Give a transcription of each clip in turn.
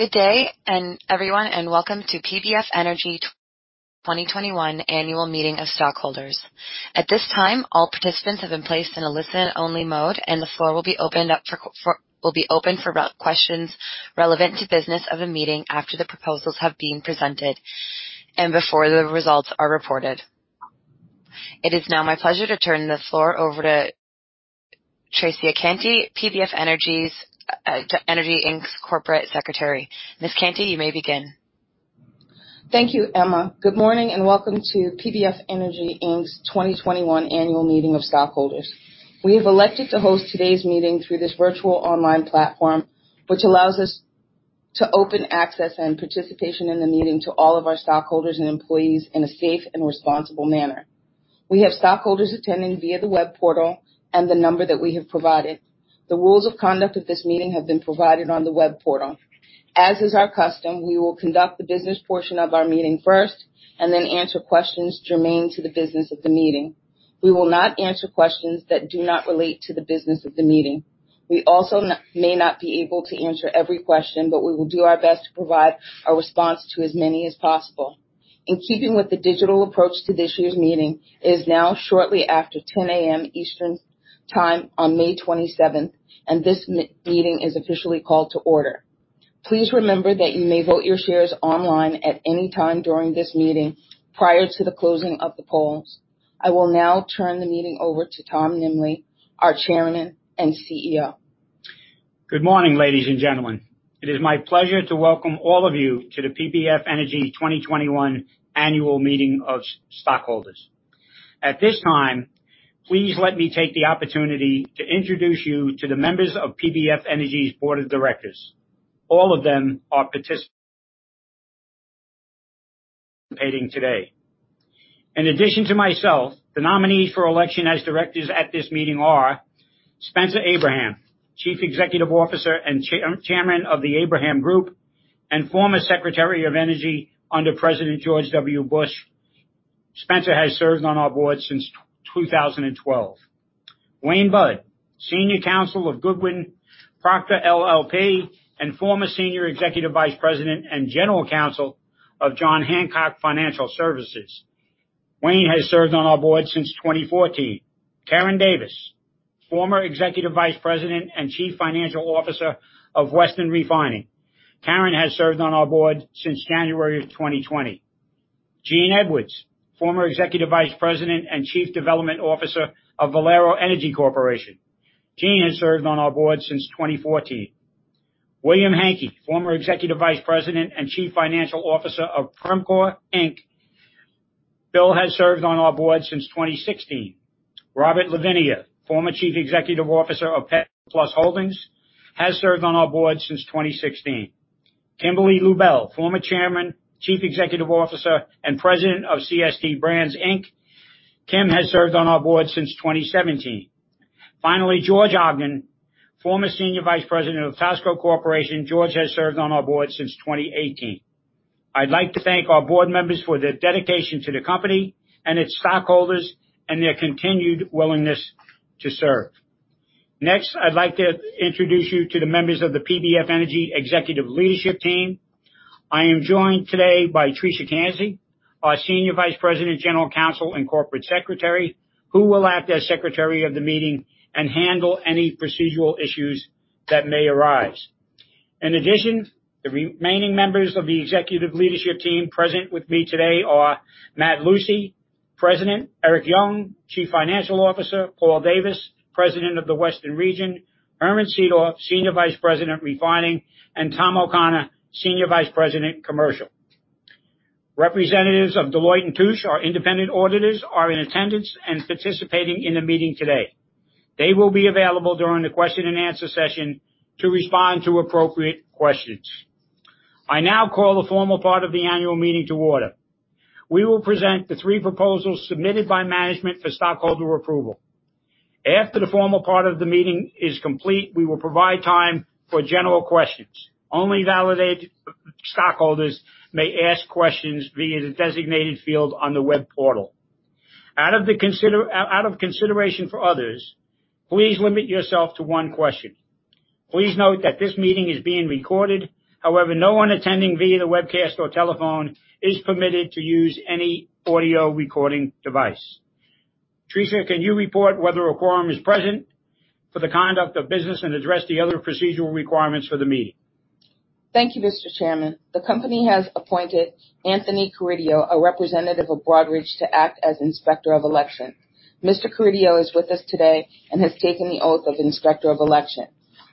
Good day everyone, and welcome to PBF Energy 2021 Annual Meeting of Stockholders. At this time, all participants have been placed in a listen-only mode, and the floor will be open for questions relevant to business of the meeting after the proposals have been presented and before the results are reported. It is now my pleasure to turn the floor over to Trecia Canty, PBF Energy Inc's corporate secretary. Ms. Canty, you may begin. Thank you, Emma. Good morning, welcome to PBF Energy Inc's 2021 Annual Meeting of Stockholders. We have elected to host today's meeting through this virtual online platform, which allows us to open access and participation in the meeting to all of our stockholders and employees in a safe and responsible manner. We have stockholders attending via the web portal and the number that we have provided. The rules of conduct of this meeting have been provided on the web portal. As is our custom, we will conduct the business portion of our meeting first, and then answer questions germane to the business of the meeting. We will not answer questions that do not relate to the business of the meeting. We also may not be able to answer every question, but we will do our best to provide a response to as many as possible. In keeping with the digital approach to this year's meeting, it is now shortly after 10:00 A.M. Eastern Time on May 27th, and this meeting is officially called to order. Please remember that you may vote your shares online at any time during this meeting, prior to the closing of the polls. I will now turn the meeting over to Thomas Nimbley, our Chairman and CEO. Good morning, ladies and gentlemen. It is my pleasure to welcome all of you to the PBF Energy 2021 Annual Meeting of Stockholders. At this time, please let me take the opportunity to introduce you to the members of PBF Energy's board of directors. All of them are participating today. In addition to myself, the nominees for election as directors at this meeting are Spencer Abraham, Chief Executive Officer and Chairman of The Abraham Group, and former Secretary of Energy under President George W. Bush. Spencer has served on our board since 2012. Wayne Budd, senior counsel of Goodwin Procter LLP, and former Senior Executive Vice President and General Counsel of John Hancock Financial Services. Wayne has served on our board since 2014. Karen Davis, former Executive Vice President and Chief Financial Officer of Western Refining. Karen has served on our board since January of 2020. Gene Edwards, former Executive Vice President and Chief Development Officer of Valero Energy Corporation. Gene has served on our board since 2014. William Hantke, former Executive Vice President and Chief Financial Officer of Premcor Inc Bill has served on our board since 2016. Robert Lavinia, former Chief Executive Officer of Petroplus Holdings AG, has served on our board since 2016. Kimberly S. Lubel, former Chairman, Chief Executive Officer, and President of CST Brands, Inc Kim has served on our board since 2017. Finally, George E. Ogden, former Senior Vice President of Phibro Corporation. George has served on our board since 2018. I'd like to thank our board members for their dedication to the company and its stockholders and their continued willingness to serve. Next, I'd like to introduce you to the members of the PBF Energy Executive Leadership Team. I am joined today by Trecia Canty, our Senior Vice President, General Counsel, and Corporate Secretary, who will act as secretary of the meeting and handle any procedural issues that may arise. In addition, the remaining members of the Executive Leadership Team present with me today are Matt Lucey, President, Eric Young, Chief Financial Officer, Paul Davis, President of the Western Region, Herman Seedorf, Senior Vice President, Refining, and Tom O'Connor, Senior Vice President, Commercial. Representatives of Deloitte & Touche, our independent auditors, are in attendance and participating in the meeting today. They will be available during the question and answer session to respond to appropriate questions. I now call the formal part of the annual meeting to order. We will present the three proposals submitted by management for stockholder approval. After the formal part of the meeting is complete, we will provide time for general questions. Only validated stockholders may ask questions via the designated field on the web portal. Out of consideration for others, please limit yourself to one question. Please note that this meeting is being recorded. However, no one attending via the webcast or telephone is permitted to use any audio recording device. Trecia, can you report whether a quorum is present for the conduct of business and address the other procedural requirements for the meeting? Thank you, Mr. Chairman. The company has appointed Anthony Carideo, a representative of Broadridge, to act as Inspector of Election. Mr. Carideo is with us today and has taken the oath of Inspector of Election.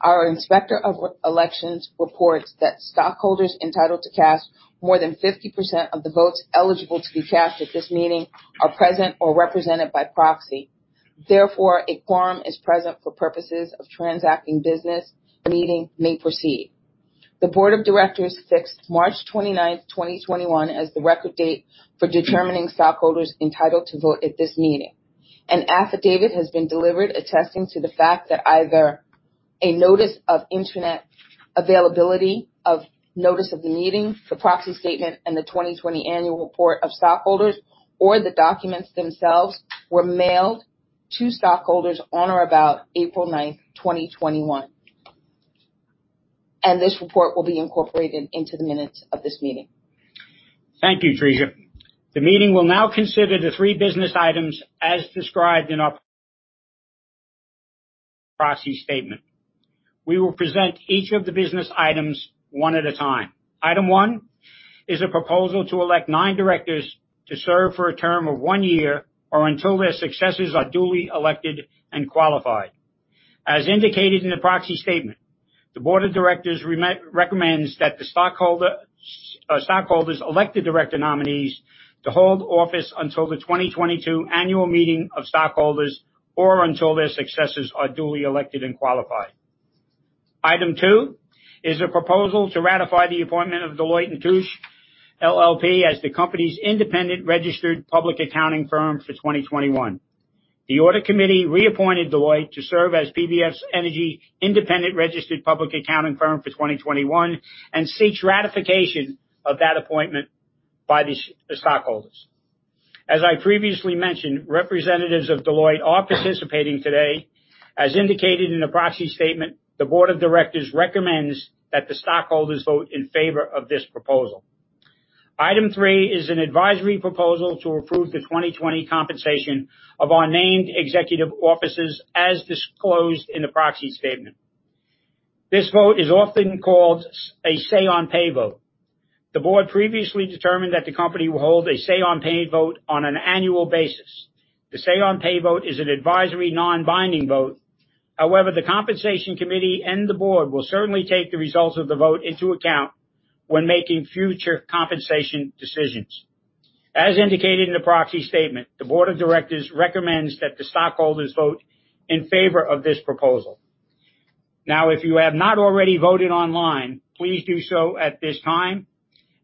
Our Inspector of Election reports that stockholders entitled to cast more than 50% of the votes eligible to be cast at this meeting are present or represented by proxy. Therefore, a quorum is present for purposes of transacting business. The meeting may proceed. The board of directors fixed March 29th, 2021, as the record date for determining stockholders entitled to vote at this meeting. An affidavit has been delivered attesting to the fact that either a notice of internet availability of notice of the meeting, the proxy statement, and the 2020 annual report of stockholders or the documents themselves were mailed to stockholders on or about April 9th, 2021. This report will be incorporated into the minutes of this meeting. Thank you, Trecia. The meeting will now consider the three business items as described in our proxy statement. We will present each of the business items one at a time. Item one is a proposal to elect nine directors to serve for a term of one year or until their successors are duly elected and qualified. As indicated in the proxy statement, the board of directors recommends that the stockholders elect the director nominees to hold office until the 2022 annual meeting of stockholders or until their successors are duly elected and qualified. Item two is a proposal to ratify the appointment of Deloitte & Touche LLP as the company's independent registered public accounting firm for 2021. The audit committee reappointed Deloitte to serve as PBF Energy independent registered public accounting firm for 2021 and seeks ratification of that appointment by the stockholders. As I previously mentioned, representatives of Deloitte are participating today. As indicated in the proxy statement, the board of directors recommends that the stockholders vote in favor of this proposal. Item three is an advisory proposal to approve the 2020 compensation of our named executive officers as disclosed in the proxy statement. This vote is often called a say-on-pay vote. The board previously determined that the company will hold a say-on-pay vote on an annual basis. The say-on-pay vote is an advisory non-binding vote. The compensation committee and the board will certainly take the results of the vote into account when making future compensation decisions. As indicated in the proxy statement, the board of directors recommends that the stockholders vote in favor of this proposal. If you have not already voted online, please do so at this time,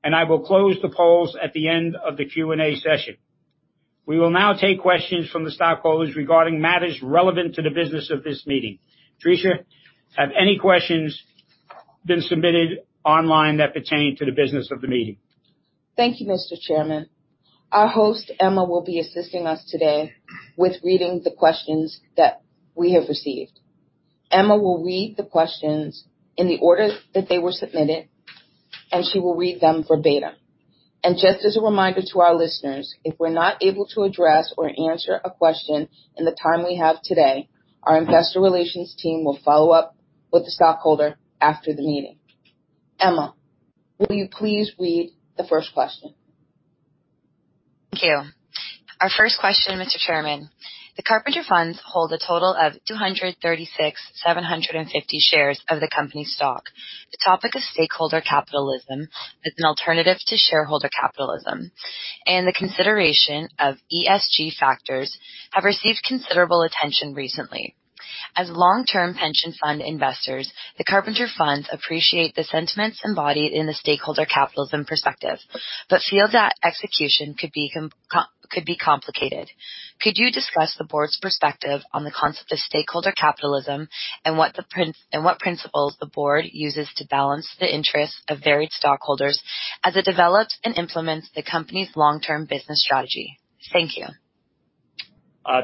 and I will close the polls at the end of the Q&A session. We will now take questions from the stockholders regarding matters relevant to the business of this meeting. Trecia, have any questions been submitted online that pertain to the business of the meeting? Thank you, Mr. Chairman. Our host, Emma, will be assisting us today with reading the questions that we have received. Emma will read the questions in the order that they were submitted, and she will read them verbatim. Just as a reminder to our listeners, if we're not able to address or answer a question in the time we have today, our Investor Relations team will follow up with the stockholder after the meeting. Emma, will you please read the first question? Thank you. Our first question, Mr. Chairman. The Carpenter Funds hold a total of 236,750 shares of the company stock. The topic of stakeholder capitalism as an alternative to shareholder capitalism and the consideration of ESG factors have received considerable attention recently. As long-term pension fund investors, the Carpenter Funds appreciate the sentiments embodied in the stakeholder capitalism perspective but feel that execution could be complicated. Could you discuss the board's perspective on the concept of stakeholder capitalism and what principles the board uses to balance the interests of varied stockholders as it develops and implements the company's long-term business strategy? Thank you.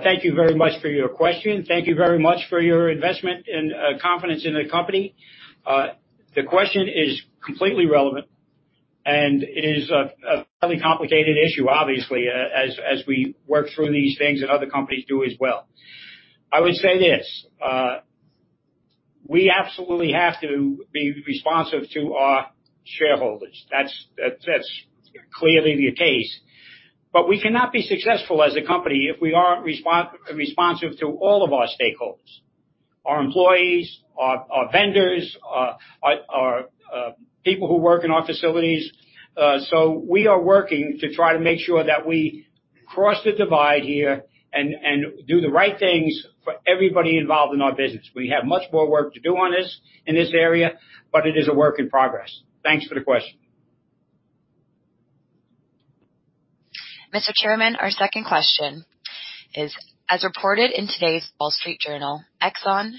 Thank you very much for your question. Thank you very much for your investment and confidence in the company. The question is completely relevant and is a fairly complicated issue, obviously, as we work through these things and other companies do as well. I would say this, we absolutely have to be responsive to our shareholders. That's clearly the case. We cannot be successful as a company if we aren't responsive to all of our stakeholders, our employees, our vendors, our people who work in our facilities. We are working to try to make sure that we cross the divide here and do the right things for everybody involved in our business. We have much more work to do on this in this area, but it is a work in progress. Thanks for the question. Mr. Chairman, our second question is, as reported in today's The Wall Street Journal, Exxon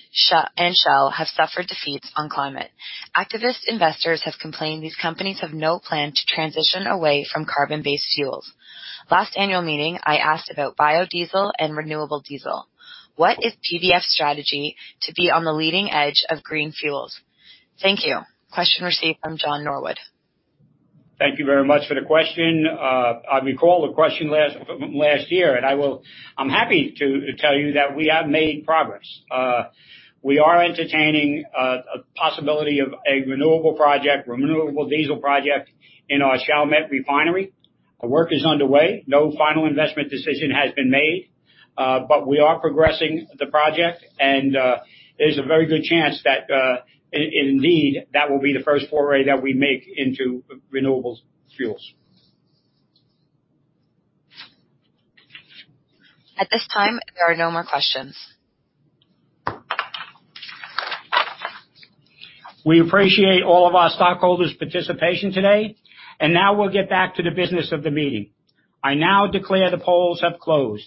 and Shell have suffered defeats on climate. Activist investors have complained these companies have no plan to transition away from carbon-based fuels. Last annual meeting, I asked about biodiesel and renewable diesel. What is PBF's strategy to be on the leading edge of green fuels? Thank you. Question received from John Norwood. Thank you very much for the question. I recall the question from last year, and I'm happy to tell you that we have made progress. We are entertaining a possibility of a renewable project, renewable diesel project in our Chalmette refinery. Work is underway. No final investment decision has been made, but we are progressing the project, and there's a very good chance that indeed, that will be the first foray that we make into renewable fuels. At this time, there are no more questions. We appreciate all of our stockholders' participation today. Now we'll get back to the business of the meeting. I now declare the polls have closed.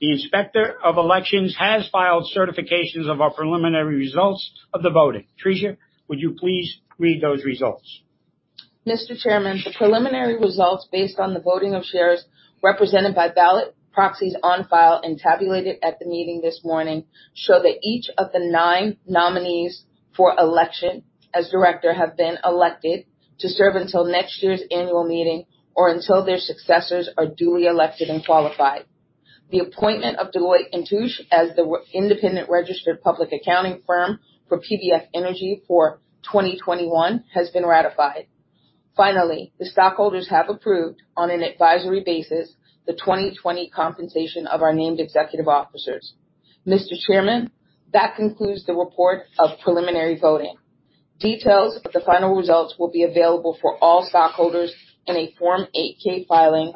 The Inspector of Elections has filed certifications of our preliminary results of the voting. Trecia, would you please read those results? Mr. Chairman, the preliminary results based on the voting of shares represented by ballot proxies on file and tabulated at the meeting this morning show that each of the nine nominees for election as director have been elected to serve until next year's annual meeting or until their successors are duly elected and qualified. The appointment of Deloitte & Touche as the independent registered public accounting firm for PBF Energy for 2021 has been ratified. Finally, the stockholders have approved on an advisory basis the 2020 compensation of our named executive officers. Mr. Chairman, that concludes the report of preliminary voting. Details of the final results will be available for all stockholders in a Form 8-K filing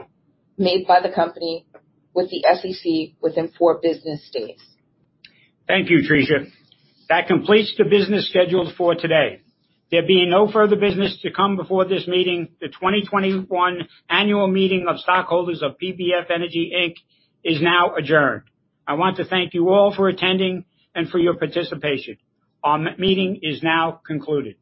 made by the company with the SEC within four business days. Thank you, Trecia. That completes the business scheduled for today. There being no further business to come before this meeting, the 2021 annual meeting of stockholders of PBF Energy Inc is now adjourned. I want to thank you all for attending and for your participation. Our meeting is now concluded.